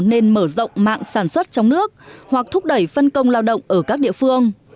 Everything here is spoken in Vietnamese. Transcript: nên mở rộng mạng sản xuất trong nước hoặc thúc đẩy phân công lao động ở các địa phương